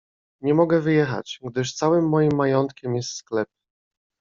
"Nie mogę wyjechać, gdyż całym moim majątkiem jest sklep."